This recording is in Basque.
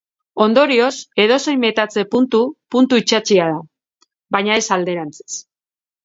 Ondorioz, edozein metatze-puntu puntu itsatsia da, baina ez alderantziz.